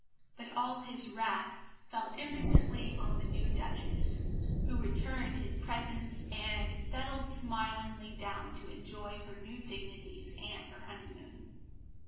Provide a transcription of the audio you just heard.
But all his wrath fell impotently on the new Duchess, who returned his presents and settled smilingly down to enjoy her new dignities and her honeymoon.